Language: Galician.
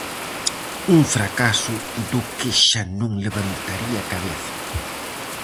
Un fracaso do que xa non levantaría cabeza.